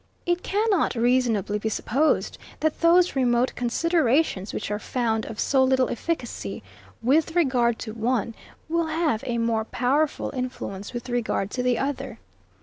It cannot reasonably be supposed, that those remote considerations, which are found of so little efficacy with regard to one, will have a more powerful influence with regard to the other.